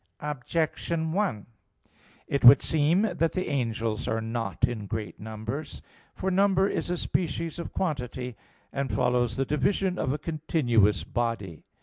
Objection 1: It would seem that the angels are not in great numbers. For number is a species of quantity, and follows the division of a continuous body.